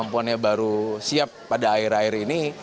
kemampuannya baru siap pada air air ini